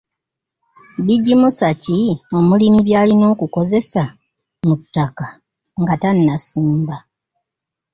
Bigimusa ki omulimi by'alina okukozesa mu ttaka nga tannasimba?